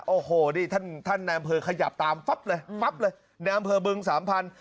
โอ้โหดิท่านท่านแนวอำเภอขยับตามเลยฟับเลยแนวอำเภอเบืองสามพันที่